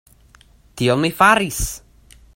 Tion mi faris.